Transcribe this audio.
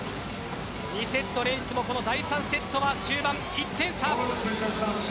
２セット連取もこの第３セットは終盤、１点差。